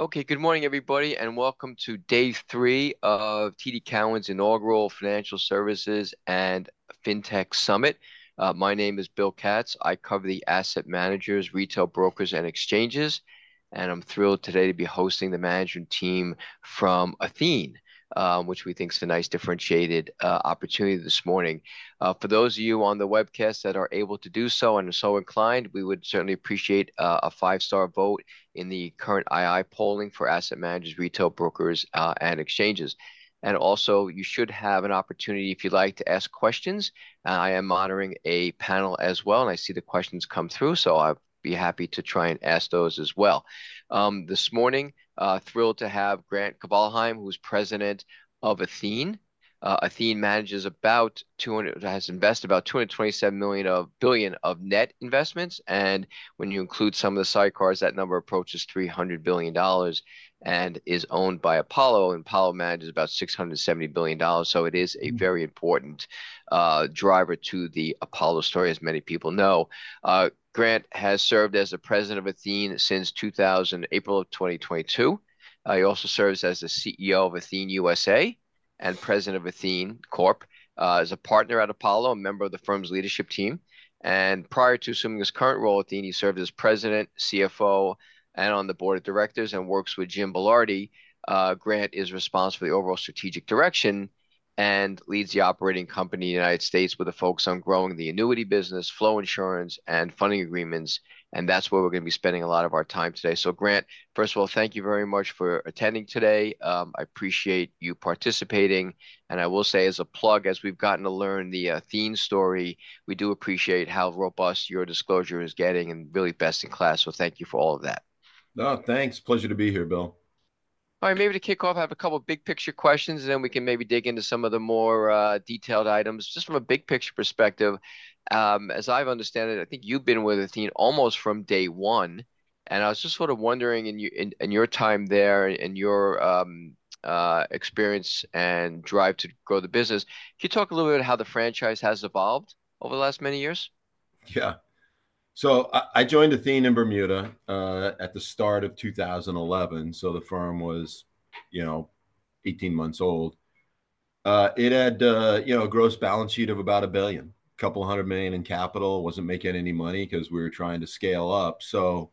Okay, good morning, everybody, and welcome to day three of TD Cowen's Inaugural Financial Services and Fintech Summit. My name is Bill Katz. I cover the asset managers, retail brokers, and exchanges, and I'm thrilled today to be hosting the management team from Athene, which we think is a nice, differentiated opportunity this morning. For those of you on the webcast that are able to do so and are so inclined, we would certainly appreciate a five-star vote in the current II polling for asset managers, retail brokers, and exchanges. And also, you should have an opportunity, if you'd like, to ask questions. I am monitoring a panel as well, and I see the questions come through, so I'd be happy to try and ask those as well. This morning, thrilled to have Grant Kvalheim, who's president of Athene. Athene has invested about $227 billion of net investments, and when you include some of the sidecars, that number approaches $300 billion and is owned by Apollo, and Apollo manages about $670 billion. So it is a very important driver to the Apollo story, as many people know. Grant has served as the president of Athene since April of 2022. He also serves as the CEO of Athene USA and president of Athene Corp, is a partner at Apollo, a member of the firm's leadership team. And prior to assuming his current role at Athene, he served as president, CFO, and on the board of directors, and works with Jim Belardi. Grant is responsible for the overall strategic direction and leads the operating company in the United States with a focus on growing the annuity business, flow insurance, and funding agreements, and that's where we're gonna be spending a lot of our time today. So Grant, first of all, thank you very much for attending today. I appreciate you participating, and I will say as a plug, as we've gotten to learn the, Athene story, we do appreciate how robust your disclosure is getting and really best in class. So thank you for all of that. Oh, thanks. Pleasure to be here, Bill. All right, maybe to kick off, I have a couple of big-picture questions, and then we can maybe dig into some of the more detailed items. Just from a big-picture perspective, as I understand it, I think you've been with Athene almost from day one, and I was just sort of wondering in your time there and in your experience and drive to grow the business, can you talk a little bit how the franchise has evolved over the last many years? Yeah. So I joined Athene in Bermuda at the start of 2011, so the firm was, you know, 18 months old. It had, you know, a gross balance sheet of about $1 billion, a couple hundred million in capital. Wasn't making any money 'cause we were trying to scale up. So,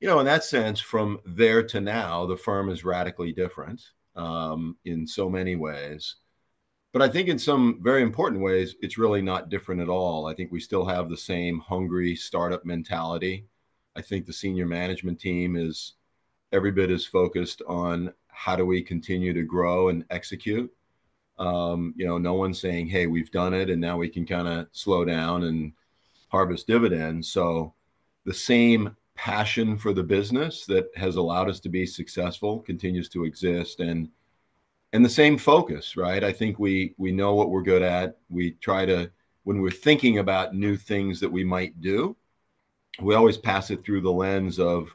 you know, in that sense, from there to now, the firm is radically different in so many ways. But I think in some very important ways, it's really not different at all. I think we still have the same hungry start-up mentality. I think the senior management team is every bit as focused on how do we continue to grow and execute. You know, no one's saying: "Hey, we've done it, and now we can kinda slow down and harvest dividends." So the same passion for the business that has allowed us to be successful continues to exist, and the same focus, right? I think we know what we're good at. We try to. When we're thinking about new things that we might do, we always pass it through the lens of,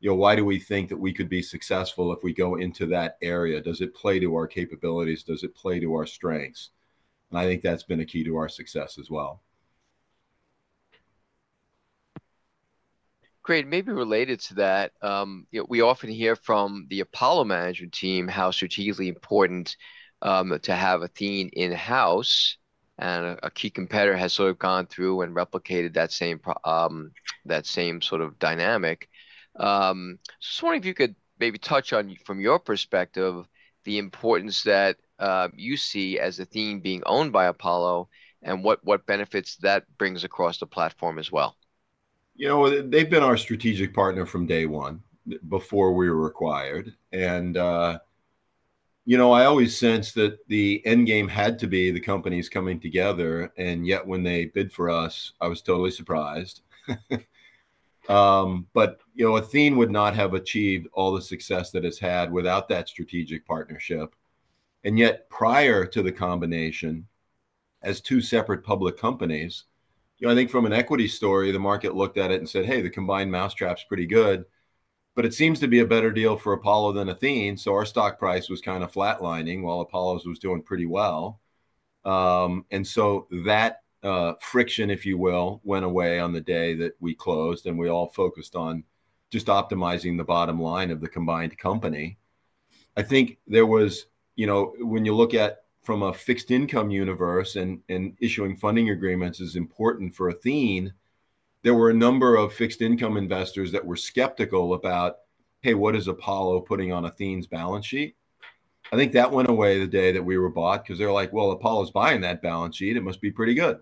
you know, why do we think that we could be successful if we go into that area? Does it play to our capabilities? Does it play to our strengths? And I think that's been a key to our success as well. Great. Maybe related to that, you know, we often hear from the Apollo management team how strategically important to have Athene in-house, and a key competitor has sort of gone through and replicated that same sort of dynamic. Just wondering if you could maybe touch on, from your perspective, the importance that you see as Athene being owned by Apollo and what benefits that brings across the platform as well. You know, they've been our strategic partner from day one, before we were acquired. And, you know, I always sensed that the end game had to be the companies coming together, and yet, when they bid for us, I was totally surprised. But, you know, Athene would not have achieved all the success that it's had without that strategic partnership. And yet, prior to the combination, as two separate public companies, you know, I think from an equity story, the market looked at it and said, "Hey, the combined mousetrap's pretty good, but it seems to be a better deal for Apollo than Athene." So our stock price was kind of flatlining while Apollo's was doing pretty well. And so that friction, if you will, went away on the day that we closed, and we all focused on just optimizing the bottom line of the combined company. I think there was.. You know, when you look at from a fixed income universe and issuing funding agreements is important for Athene, there were a number of fixed income investors that were skeptical about, "Hey, what is Apollo putting on Athene's balance sheet?" I think that went away the day that we were bought, 'cause they're like: "Well, Apollo's buying that balance sheet, it must be pretty good."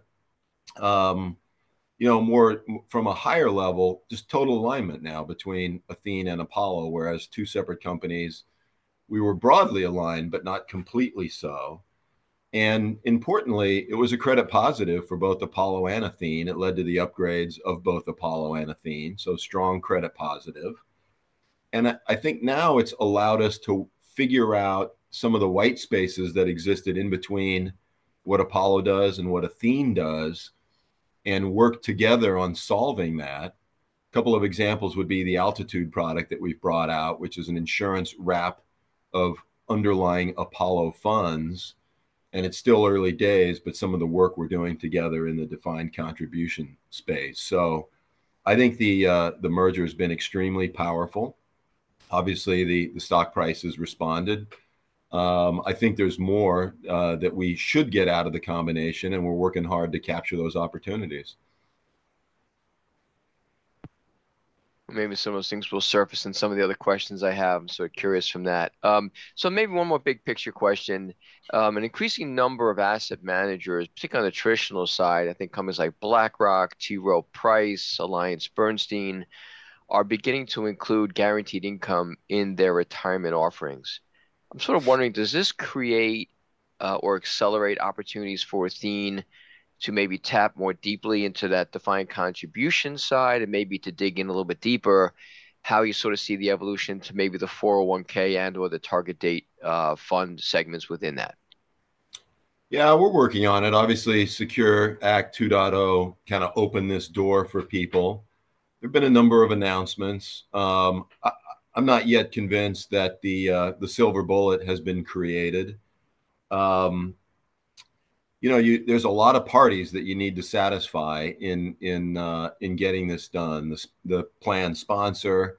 You know, more, from a higher level, just total alignment now between Athene and Apollo, whereas two separate companies, we were broadly aligned, but not completely so. And importantly, it was a credit positive for both Apollo and Athene. It led to the upgrades of both Apollo and Athene, so strong credit positive. And I think now it's allowed us to figure out some of the white spaces that existed in between what Apollo does and what Athene does, and work together on solving that. A couple of examples would be the Altitude product that we've brought out, which is an insurance wrap of underlying Apollo funds. and it's still early days, but some of the work we're doing together in the defined contribution space. So I think the merger has been extremely powerful. Obviously, the stock price has responded. I think there's more, that we should get out of the combination, and we're working hard to capture those opportunities. Maybe some of those things will surface in some of the other questions I have, so curious from that. So maybe one more big picture question. Yeah. An increasing number of asset managers, particularly on the traditional side, I think companies like BlackRock, T. Rowe Price, AllianceBernstein, are beginning to include guaranteed income in their retirement offerings. I'm sort of wondering, does this create or accelerate opportunities for Athene to maybe tap more deeply into that defined contribution side and maybe to dig in a little bit deeper, how you sort of see the evolution to maybe the 401 and or the target date fund segments within that? Yeah, we're working on it. Obviously, Secure Act 2.0 kinda opened this door for people. There've been a number of announcements. I, I'm not yet convinced that the, the silver bullet has been created. You know, there's a lot of parties that you need to satisfy in, in, in getting this done: the plan sponsor,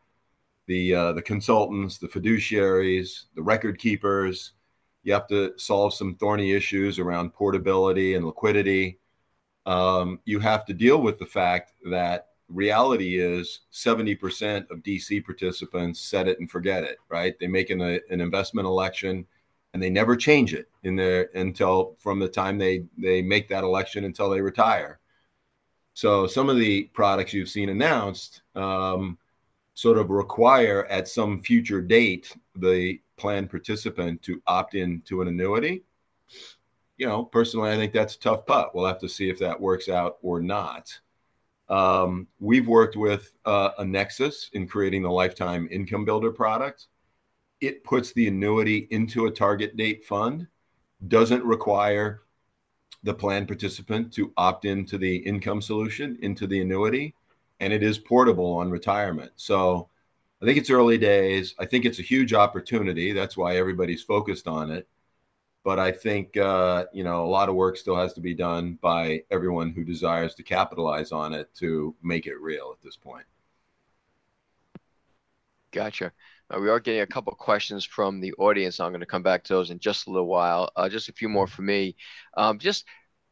the, the consultants, the fiduciaries, the record keepers. You have to solve some thorny issues around portability and liquidity. You have to deal with the fact that reality is 70% of DC participants set it and forget it, right? They make an investment election, and they never change it until from the time they make that election until they retire. So some of the products you've seen announced, sort of require at some future date, the plan participant to opt in to an annuity. You know, personally, I think that's a tough putt. We'll have to see if that works out or not. We've worked with Annexus in creating a Lifetime Income Builder product. It puts the annuity into a target date fund, doesn't require the plan participant to opt into the income solution, into the annuity, and it is portable on retirement. So I think it's early days. I think it's a huge opportunity. That's why everybody's focused on it. But I think, you know, a lot of work still has to be done by everyone who desires to capitalize on it to make it real at this point. Gotcha. We are getting a couple of questions from the audience. I'm gonna come back to those in just a little while. Just a few more from me. Just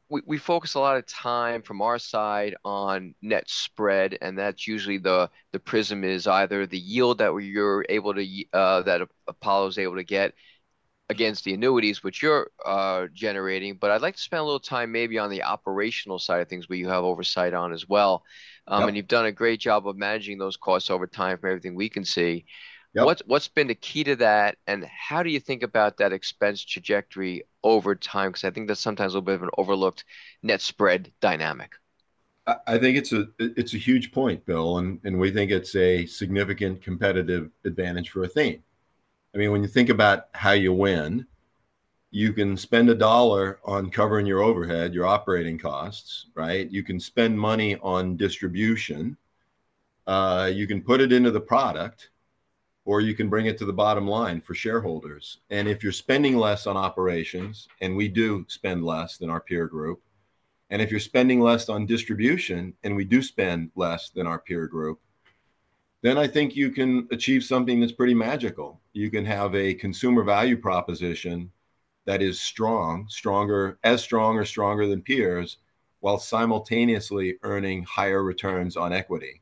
we focus a lot of time from our side on net spread, and that's usually the prism is either the yield that Apollo is able to get against the annuities which you're generating. But I'd like to spend a little time maybe on the operational side of things where you have oversight on as well. Yeah. You've done a great job of managing those costs over time for everything we can see. Yeah. What's been the key to that, and how do you think about that expense trajectory over time? Because I think that's sometimes a little bit of an overlooked net spread dynamic. I think it's a huge point, Bill, and we think it's a significant competitive advantage for Athene. I mean, when you think about how you win, you can spend a dollar on covering your overhead, your operating costs, right? You can spend money on distribution, you can put it into the product, or you can bring it to the bottom line for shareholders. And if you're spending less on operations, and we do spend less than our peer group, and if you're spending less on distribution, and we do spend less than our peer group, then I think you can achieve something that's pretty magical. You can have a consumer value proposition that is strong, stronger—as strong or stronger than peers, while simultaneously earning higher returns on equity.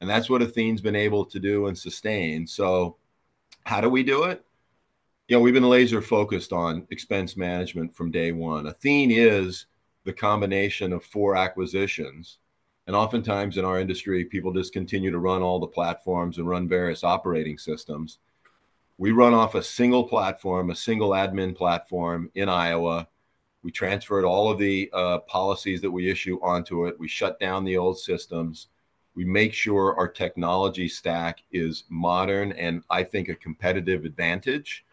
And that's what Athene's been able to do and sustain. So how do we do it? You know, we've been laser-focused on expense management from day one. Athene is the combination of four acquisitions, and oftentimes in our industry, people just continue to run all the platforms and run various operating systems. We run off a single platform, a single admin platform in Iowa. We transferred all of the policies that we issue onto it. We shut down the old systems. We make sure our technology stack is modern, and I think a competitive advantage.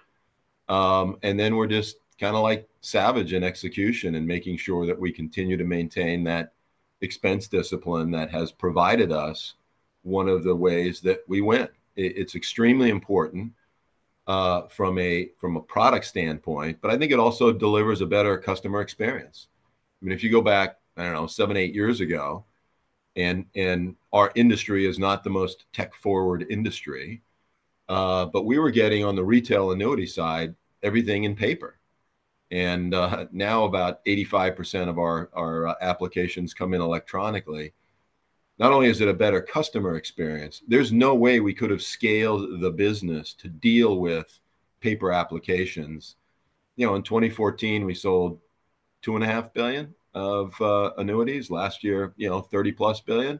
And then we're just kinda like savage in execution and making sure that we continue to maintain that expense discipline that has provided us one of the ways that we win. It's extremely important from a product standpoint, but I think it also delivers a better customer experience. I mean, if you go back, I don't know, seven, eight years ago, and our industry is not the most tech-forward industry, but we were getting on the retail annuity side, everything in paper. And now about 85% of our applications come in electronically. Not only is it a better customer experience, there's no way we could have scaled the business to deal with paper applications. You know, in 2014, we sold $2.5 billion of annuities. Last year, you know, $30+ billion.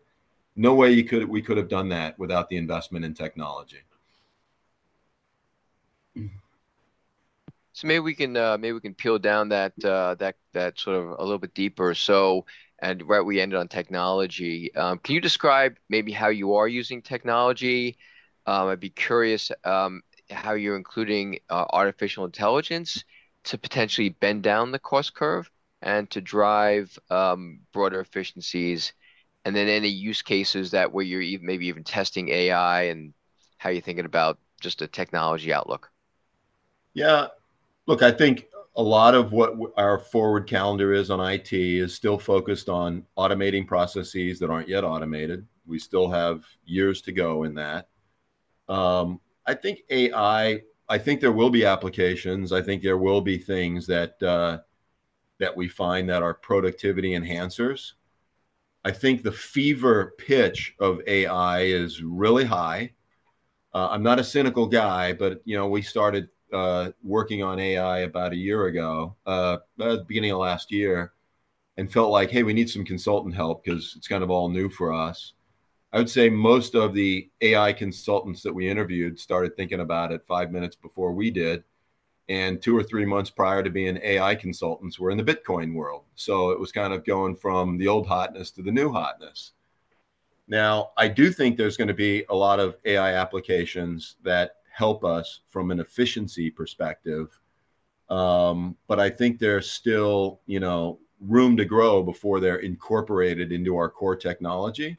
No way we could have done that without the investment in technology. So maybe we can, maybe we can peel down that, that, that sort of a little bit deeper. So and right where we ended on technology, can you describe maybe how you are using technology? I'd be curious, how you're including, artificial intelligence to potentially bend down the cost curve and to drive, broader efficiencies, and then any use cases that where you're ev- maybe even testing AI and- how you thinking about just a technology outlook? Yeah, look, I think a lot of what our forward calendar is on IT is still focused on automating processes that aren't yet automated. We still have years to go in that. I think AI, I think there will be applications, I think there will be things that we find that are productivity enhancers. I think the fever pitch of AI is really high. I'm not a cynical guy, but you know, we started working on AI about a year ago at the beginning of last year, and felt like: Hey, we need some consultant help 'cause it's kind of all new for us. I would say most of the AI consultants that we interviewed started thinking about it five minutes before we did, and two or three months prior to being AI consultants, were in the Bitcoin world. So it was kind of going from the old hotness to the new hotness. Now, I do think there's gonna be a lot of AI applications that help us from an efficiency perspective, but I think there's still, you know, room to grow before they're incorporated into our core technology.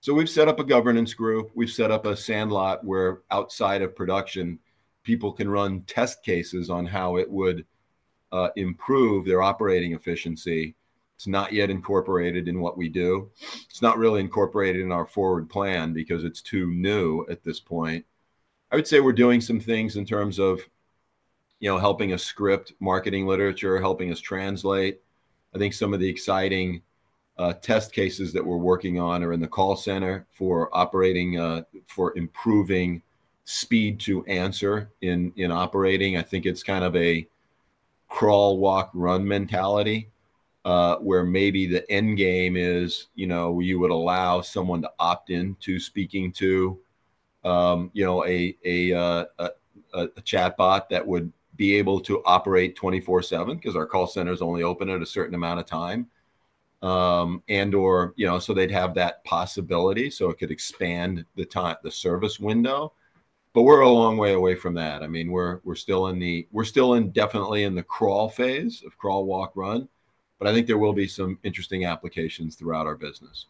So we've set up a governance group, we've set up a sandlot, where outside of production, people can run test cases on how it would improve their operating efficiency. It's not yet incorporated in what we do. It's not really incorporated in our forward plan because it's too new at this point. I would say we're doing some things in terms of, you know, helping us script marketing literature, helping us translate. I think some of the exciting test cases that we're working on are in the call center for operating for improving speed to answer in operating. I think it's kind of a crawl, walk, run mentality, where maybe the end game is, you know, you would allow someone to opt in to speaking to, you know, a chatbot that would be able to operate 24/7, 'cause our call center is only open at a certain amount of time. And/or, you know, so they'd have that possibility, so it could expand the service window. But we're a long way away from that. I mean, we're still in the. We're still in, definitely in the crawl phase of crawl, walk, run, but I think there will be some interesting applications throughout our business.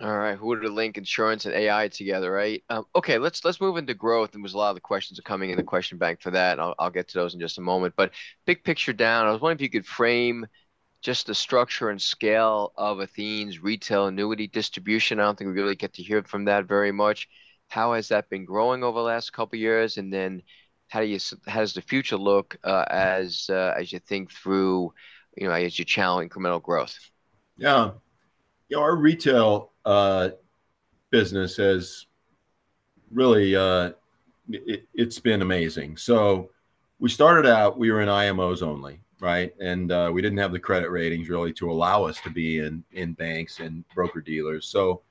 All right, who would have linked insurance and AI together, right? Okay, let's, let's move into growth. There was a lot of the questions are coming in the question bank for that, and I'll, I'll get to those in just a moment. But big picture down, I was wondering if you could frame just the structure and scale of Athene's retail annuity distribution. I don't think we really get to hear from that very much. How has that been growing over the last couple of years? And then how do you s- how does the future look, as, as you think through, you know, as you challenge incremental growth? Yeah. You know, our retail business has really. It's been amazing. So we started out, we were in IMOs only, right? And we didn't have the credit ratings really to allow us to be in banks and broker-dealers. So,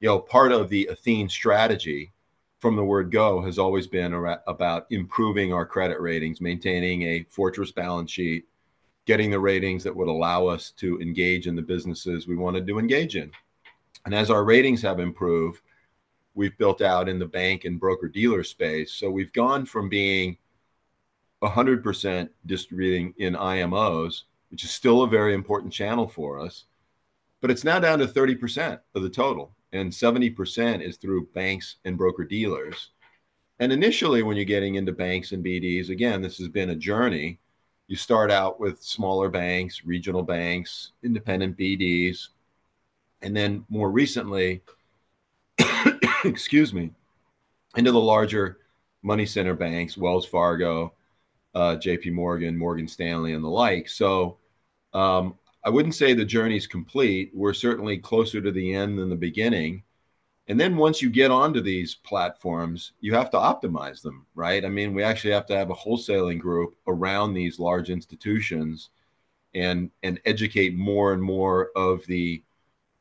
you know, part of the Athene strategy, from the word go, has always been about improving our credit ratings, maintaining a fortress balance sheet, getting the ratings that would allow us to engage in the businesses we wanted to engage in. And as our ratings have improved, we've built out in the bank and broker-dealer space. So we've gone from being 100% distributing in IMOs, which is still a very important channel for us, but it's now down to 30% of the total, and 70% is through banks and broker-dealers. Initially, when you're getting into banks and BDs, again, this has been a journey. You start out with smaller banks, regional banks, independent BDs, and then more recently, excuse me, into the larger money center banks, Wells Fargo, JP Morgan, Morgan Stanley, and the like. So, I wouldn't say the journey is complete. We're certainly closer to the end than the beginning. And then once you get onto these platforms, you have to optimize them, right? I mean, we actually have to have a wholesaling group around these large institutions and educate more and more of the,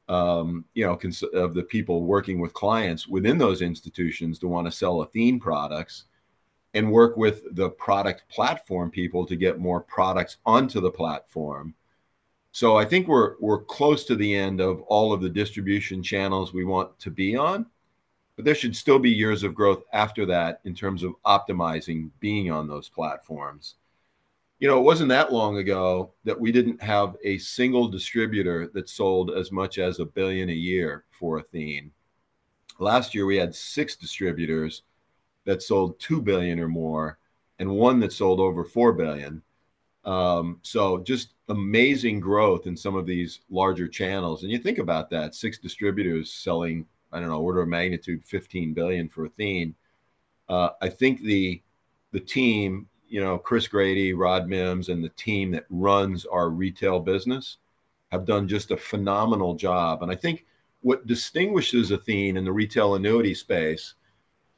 you know, constituents of the people working with clients within those institutions to want to sell Athene products, and work with the product platform people to get more products onto the platform. So I think we're close to the end of all of the distribution channels we want to be on, but there should still be years of growth after that in terms of optimizing being on those platforms. You know, it wasn't that long ago that we didn't have a single distributor that sold as much as $1 billion a year for Athene. Last year, we had six distributors that sold $2 billion or more, and one that sold over $4 billion. So just amazing growth in some of these larger channels. And you think about that, six distributors selling, I don't know, order of magnitude, $15 billion for Athene. I think the team, you know, Chris Grady, Rod Mims, and the team that runs our retail business, have done just a phenomenal job. And I think what distinguishes Athene in the retail annuity space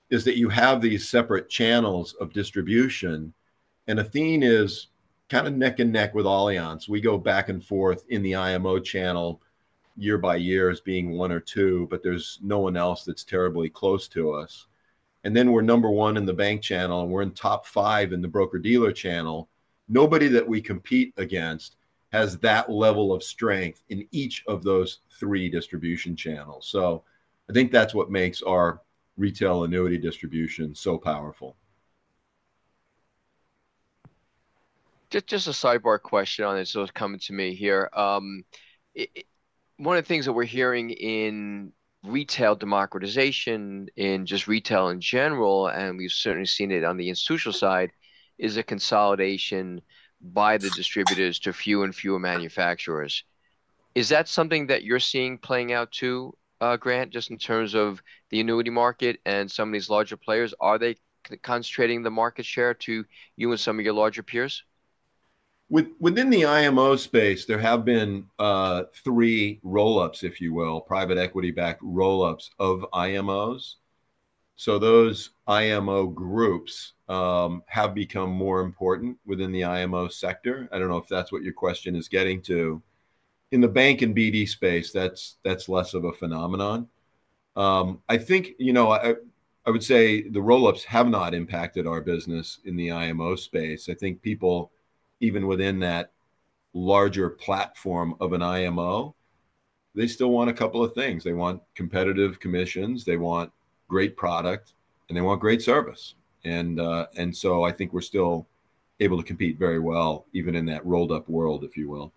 is that you have these separate channels of distribution, and Athene is kind of neck and neck with Allianz. We go back and forth in the IMO channel year by year as being one or two, but there's no one else that's terribly close to us. And then we're number one in the bank channel, and we're in top five in the broker-dealer channel. Nobody that we compete against has that level of strength in each of those three distribution channels. So I think that's what makes our retail annuity distribution so powerful. Just, just a sidebar question on this, so it's coming to me here. One of the things that we're hearing in retail democratization, in just retail in general, and we've certainly seen it on the institutional side, is a consolidation by the distributors to fewer and fewer manufacturers. Is that something that you're seeing playing out, too, Grant, just in terms of the annuity market and some of these larger players? Are they concentrating the market share to you and some of your larger peers? Within the IMO space, there have been three roll-ups, if you will, private equity-backed roll-ups of IMOs. So those IMO groups have become more important within the IMO sector. I don't know if that's what your question is getting to. In the bank and BD space, that's less of a phenomenon. I think, you know, I would say the roll-ups have not impacted our business in the IMO space. I think people, even within that larger platform of an IMO, they still want a couple of things. They want competitive commissions, they want great product, and they want great service. And so I think we're still able to compete very well, even in that rolled-up world, if you will.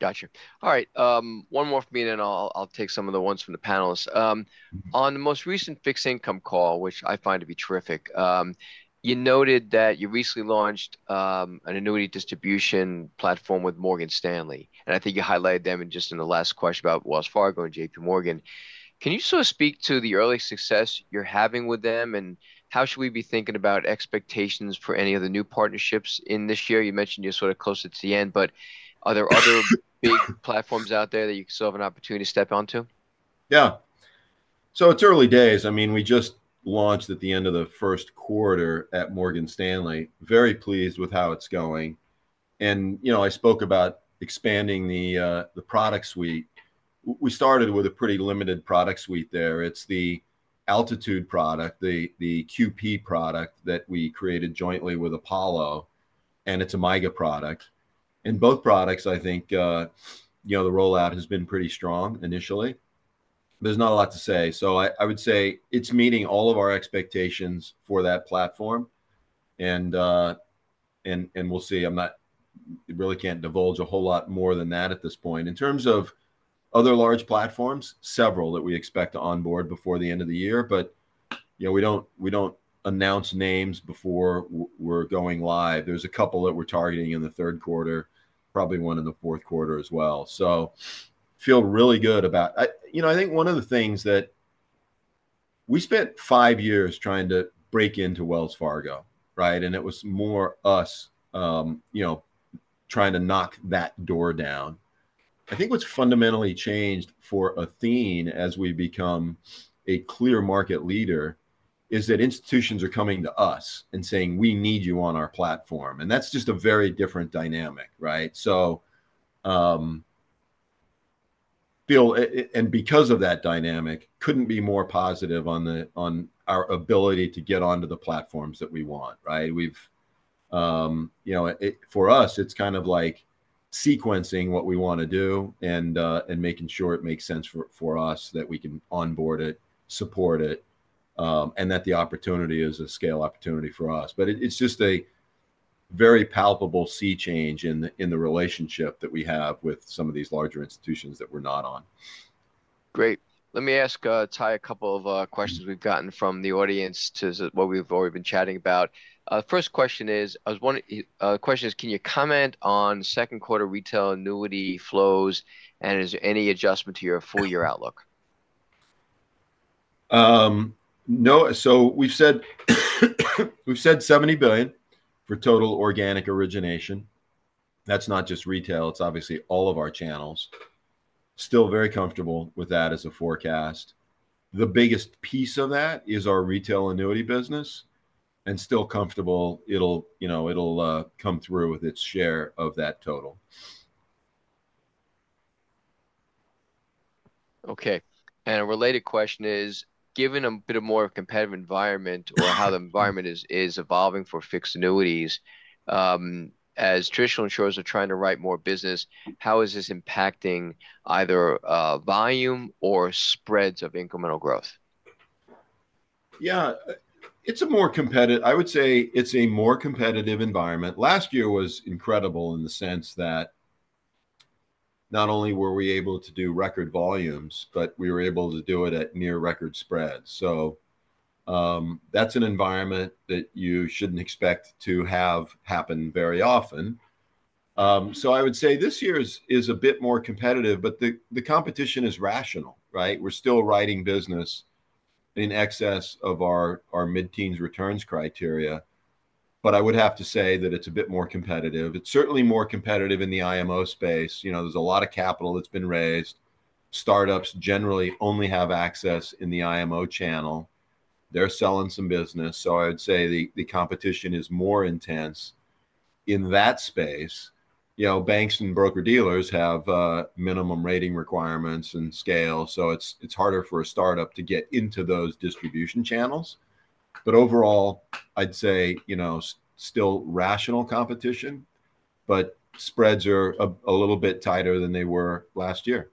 Gotcha. All right, one more from me, then I'll take some of the ones from the panelists. On the most recent fixed income call, which I find to be terrific, you noted that you recently launched an annuity distribution platform with Morgan Stanley, and I think you highlighted them in just in the last question about Wells Fargo and JP Morgan. Can you sort of speak to the early success you're having with them, and how should we be thinking about expectations for any of the new partnerships in this year? You mentioned you're sort of closer to the end, but are there other big platforms out there that you still have an opportunity to step onto? Yeah. So it's early days. I mean, we just launched at the end of the first quarter at Morgan Stanley. Very pleased with how it's going. And, you know, I spoke about expanding the product suite. We started with a pretty limited product suite there. It's the Altitude product, the QP product that we created jointly with Apollo, and it's a MYGA product. In both products, I think, you know, the rollout has been pretty strong initially. There's not a lot to say, so I would say it's meeting all of our expectations for that platform. And we'll see. I'm not. I really can't divulge a whole lot more than that at this point. In terms of other large platforms, several that we expect to onboard before the end of the year, but, you know, we don't announce names before we're going live. There's a couple that we're targeting in the third quarter, probably one in the fourth quarter as well. So feel really good about. I, you know, I think one of the things that we spent five years trying to break into Wells Fargo, right? And it was more us, you know, trying to knock that door down. I think what's fundamentally changed for Athene, as we become a clear market leader, is that institutions are coming to us and saying: "We need you on our platform." And that's just a very different dynamic, right? So, feel. And because of that dynamic, couldn't be more positive on our ability to get onto the platforms that we want, right? We've, you know, for us, it's kind of like sequencing what we wanna do and making sure it makes sense for us, that we can onboard it, support it, and that the opportunity is a scale opportunity for us. But it's just a very palpable sea change in the relationship that we have with some of these larger institutions that we're not on. Great. Let me ask, Ty, a couple of questions we've gotten from the audience to what we've already been chatting about. First question is, I was wondering, question is: Can you comment on second quarter retail annuity flows, and is there any adjustment to your full year outlook? No. So we've said, we've said $70 billion for total organic origination. That's not just retail, it's obviously all of our channels. Still very comfortable with that as a forecast. The biggest piece of that is our retail annuity business, and still comfortable it'll, you know, it'll, come through with its share of that total. Okay. And a related question is, "Given a bit of more competitive environment or how the environment is, is evolving for fixed annuities, as traditional insurers are trying to write more business, how is this impacting either, volume or spreads of incremental growth? Yeah. It's a more competitive. I would say it's a more competitive environment. Last year was incredible in the sense that not only were we able to do record volumes, but we were able to do it at near record spreads. So, that's an environment that you shouldn't expect to have happen very often. So I would say this year is, is a bit more competitive, but the, the competition is rational, right? We're still writing business in excess of our, our mid-teens returns criteria, but I would have to say that it's a bit more competitive. It's certainly more competitive in the IMO space. You know, there's a lot of capital that's been raised. Startups generally only have access in the IMO channel. They're selling some business, so I'd say the, the competition is more intense in that space. You know, banks and broker-dealers have minimum rating requirements and scale, so it's harder for a startup to get into those distribution channels. But overall, I'd say, you know, still rational competition, but spreads are a little bit tighter than they were last year.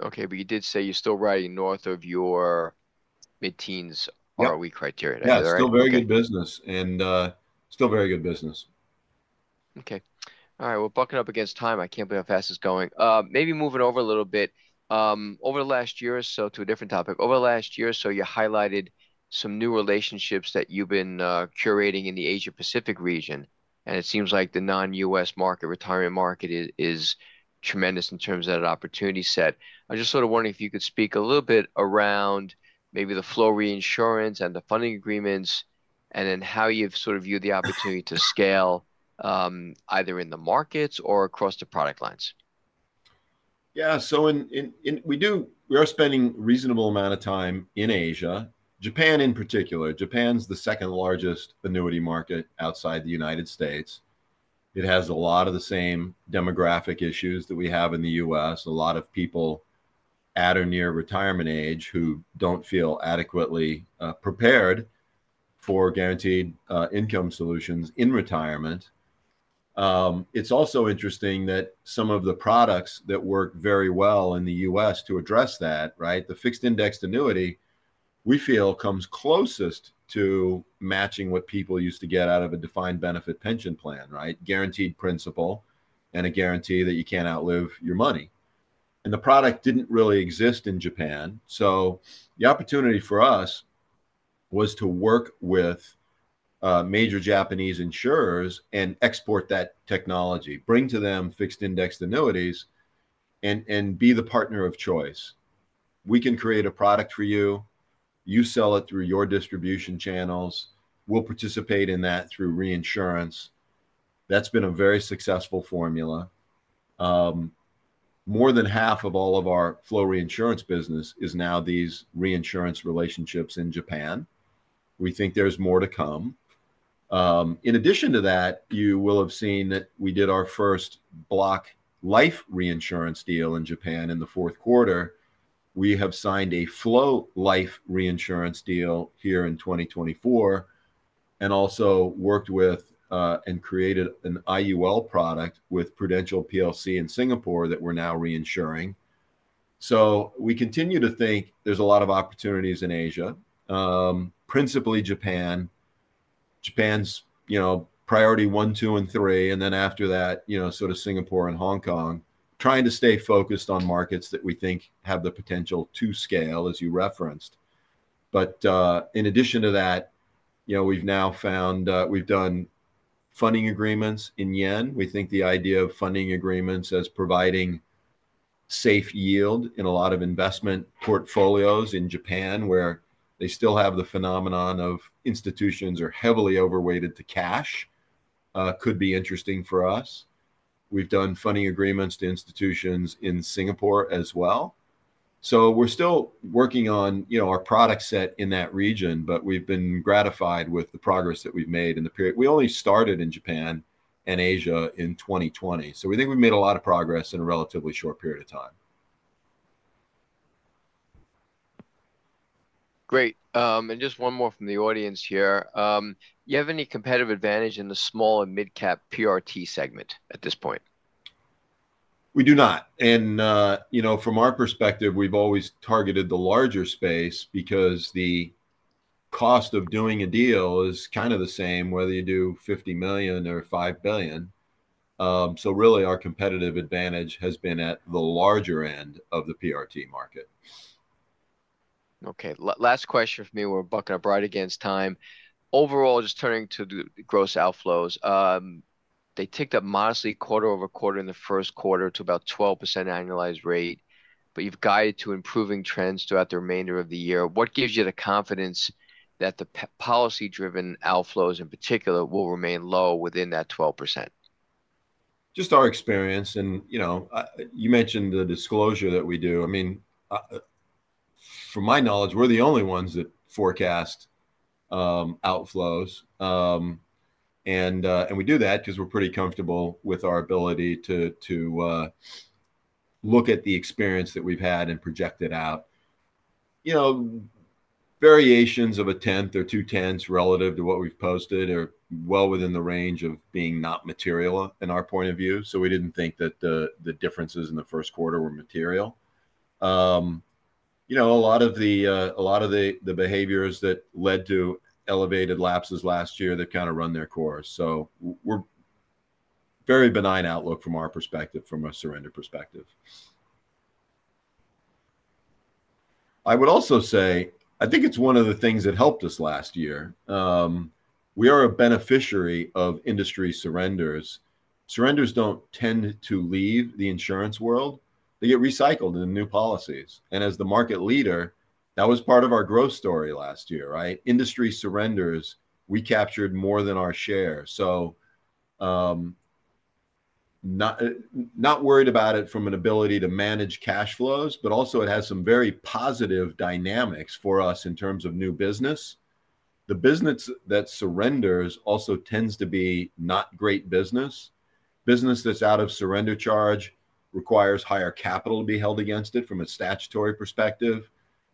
Okay, but you did say you're still riding north of your mid-teens- Yeah ROE criteria. Is that right? Yeah, still very good business and, still very good business. Okay. All right, we're bucking up against time. I can't believe how fast it's going. Maybe moving over a little bit, over the last year or so. To a different topic. Over the last year or so, you highlighted some new relationships that you've been curating in the Asia Pacific region, and it seems like the non-U.S. market, retirement market is tremendous in terms of that opportunity set. I was just sort of wondering if you could speak a little bit around maybe the flow reinsurance and the funding agreements, and then how you've sort of viewed the opportunity to scale, either in the markets or across the product lines. Yeah. So in. We are spending reasonable amount of time in Asia, Japan in particular. Japan's the second largest annuity market outside the United States. It has a lot of the same demographic issues that we have in the U.S.. A lot of people at or near retirement age who don't feel adequately prepared for guaranteed income solutions in retirement. It's also interesting that some of the products that work very well in the U.S. to address that, right, the fixed indexed annuity, we feel comes closest to matching what people used to get out of a defined benefit pension plan, right? Guaranteed principal, and a guarantee that you can't outlive your money. The product didn't really exist in Japan, so the opportunity for us was to work with major Japanese insurers and export that technology, bring to them fixed indexed annuities, and be the partner of choice. We can create a product for you, you sell it through your distribution channels, we'll participate in that through reinsurance. That's been a very successful formula. More than half of all of our flow reinsurance business is now these reinsurance relationships in Japan. We think there's more to come. In addition to that, you will have seen that we did our first block life reinsurance deal in Japan in the fourth quarter. We have signed a flow life reinsurance deal here in 2024, and also worked with and created an IUL product with Prudential PLC in Singapore that we're now reinsuring. So we continue to think there's a lot of opportunities in Asia, principally Japan. Japan's, you know, priority one, two, and three, and then after that, you know, sort of Singapore and Hong Kong, trying to stay focused on markets that we think have the potential to scale, as you referenced. But, in addition to that, you know, we've now found. We've done funding agreements in yen. We think the idea of funding agreements as providing safe yield in a lot of investment portfolios in Japan, where they still have the phenomenon of institutions are heavily overweighted to cash, could be interesting for us. We've done funding agreements to institutions in Singapore as well. So we're still working on, you know, our product set in that region, but we've been gratified with the progress that we've made in the period. We only started in Japan and Asia in 2020, so we think we've made a lot of progress in a relatively short period of time. Great. Just one more from the audience here. Do you have any competitive advantage in the small and mid-cap PRT segment at this point? We do not. And, you know, from our perspective, we've always targeted the larger space because the cost of doing a deal is kind of the same, whether you do $50 million or $5 billion. So really, our competitive advantage has been at the larger end of the PRT market. Okay, last question from me, we're bucking up right against time. Overall, just turning to the gross outflows, they ticked up modestly quarter-over-quarter in the first quarter to about 12% annualized rate, but you've guided to improving trends throughout the remainder of the year. What gives you the confidence that the policy-driven outflows in particular will remain low within that 12%? Just our experience and, you know, you mentioned the disclosure that we do. I mean, from my knowledge, we're the only ones that forecast outflows. And we do that because we're pretty comfortable with our ability to look at the experience that we've had and project it out. You know, variations of 0.1 or 0.2 relative to what we've posted are well within the range of being not material in our point of view, so we didn't think that the differences in the first quarter were material. You know, a lot of the, a lot of the behaviors that led to elevated lapses last year, they've kind of run their course. So we're very benign outlook from our perspective, from a surrender perspective. I would also say, I think it's one of the things that helped us last year. We are a beneficiary of industry surrenders. Surrenders don't tend to leave the insurance world. They get recycled into new policies, and as the market leader, that was part of our growth story last year, right? Industry surrenders, we captured more than our share. So, not worried about it from an ability to manage cash flows, but also it has some very positive dynamics for us in terms of new business. The business that surrenders also tends to be not great business. Business that's out of surrender charge requires higher capital to be held against it from a statutory perspective.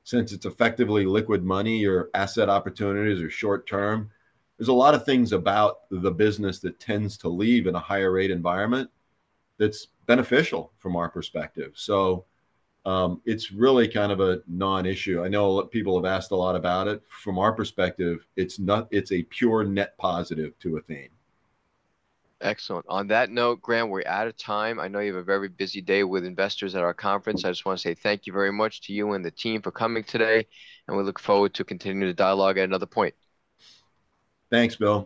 Since it's effectively liquid money, your asset opportunities are short term. There's a lot of things about the business that tends to leave in a higher rate environment that's beneficial from our perspective. So, it's really kind of a non-issue. I know a lot people have asked a lot about it. From our perspective, it's not. It's a pure net positive to Athene. Excellent. On that note, Grant, we're out of time. I know you have a very busy day with investors at our conference. I just wanna say thank you very much to you and the team for coming today, and we look forward to continuing the dialogue at another point. Thanks, Bill.